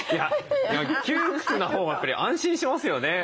窮屈なほうがやっぱり安心しますよね。